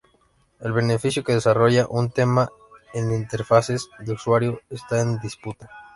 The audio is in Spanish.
El beneficio que desarrolla un tema en interfaces de usuario está en disputa.